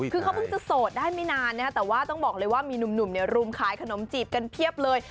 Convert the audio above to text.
คือเขาเพิ่งจะโสดได้ไม่นานนะฮะแต่ว่าต้องบอกเลยว่ามีหนุ่มรุมขายขนมจีบกันเพียบเลย